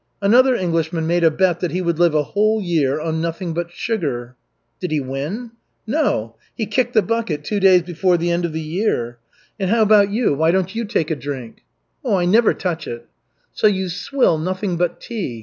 Another Englishman made a bet that he would live a whole year on nothing but sugar." "Did he win?" "No. He kicked the bucket two days before the end of the year. And how about you, why don't you take a drink?" "I never touch it." "So you swill nothing but tea.